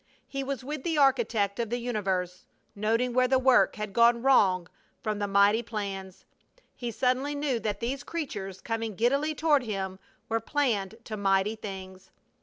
He was with the architect of the universe, noting where the work had gone wrong from the mighty plans. He suddenly knew that these creatures coming giddily toward him were planned to mighty things!